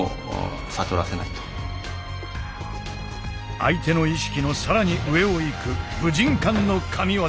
相手の意識の更に上をいく武神館の神技。